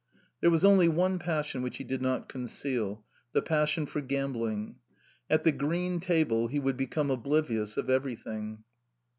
There was only one passion which he did not conceal the passion for gambling. At the green table he would become oblivious of everything.